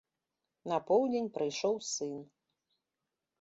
На полудзень прыйшоў сын.